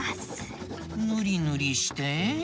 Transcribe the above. ぬりぬりして？